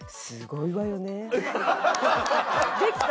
できた。